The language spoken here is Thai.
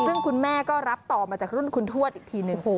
ซึ่งคุณแม่ก็รับต่อมาจากรุ่นคุณทวดอีกทีหนึ่ง